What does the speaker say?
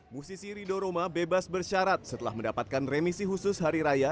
musisi rido roma bebas bersyarat setelah mendapatkan remisi khusus hari raya